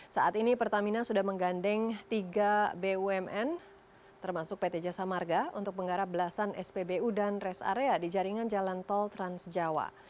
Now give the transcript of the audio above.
saat ini pertamina sudah menggandeng tiga bumn termasuk pt jasa marga untuk menggarap belasan spbu dan rest area di jaringan jalan tol transjawa